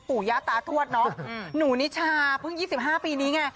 ปุยะตาร์ทวดหนูนิชชา๒๕ปีหนึ่ง